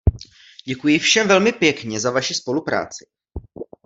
Děkuji všem velmi pěkně za vaši spolupráci.